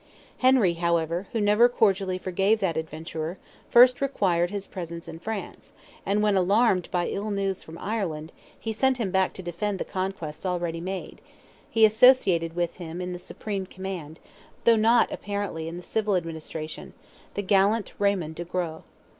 Henry, however, who never cordially forgave that adventurer, first required his presence in France, and when alarmed by ill news from Ireland, he sent him back to defend the conquests already made, he associated with him in the supreme command—though not apparently in the civil administration—the gallant Raymond le gros.